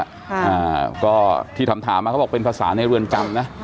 ติดามถามมาที่พลังมากเป็นภาษาในรวมจำนะ